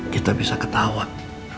kita bisa ketawak